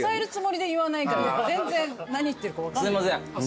すいません。